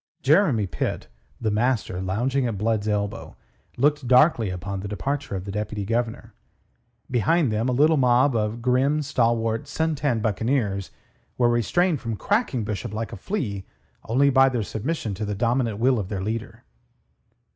Jeremy Pitt, the master, lounging at Blood's elbow, looked darkly upon the departure of the Deputy Governor. Behind them a little mob of grim, stalwart, sun tanned buccaneers were restrained from cracking Bishop like a flea only by their submission to the dominant will of their leader.